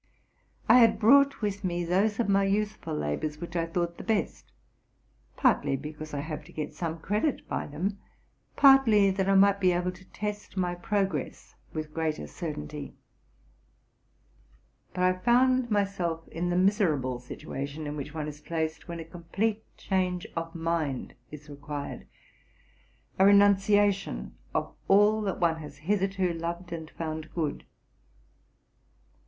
I had brought with me those of my youthful labors which I thought the best, partly because I hoped to get some credit by them, partly that I might be able to test my progress with greater certainty ; but [ found myself in the miser rable situa tion in which one is placed when a complete change of mind is required, — a renunciation of all that one has hitherto loved and found good.